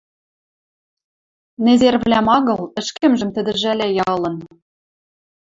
Незервлӓм агыл, ӹшкӹмжӹм тӹдӹ жӓлӓйӓ ылын.